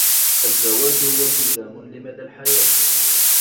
الزواج هو إلتزام لمدى الحياة.